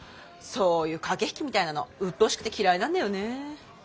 そういう駆け引きみたいなのうっとうしくて嫌いなんだよね。